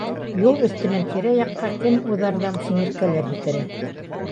Юл өҫтөнән тирә-яҡҡа кем уҙарҙан сиңерткәләр һикерә